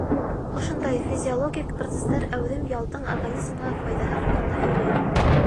Ошондай физиологик процестар әүҙем ялдың организмға файҙаһы хаҡында һөйләй.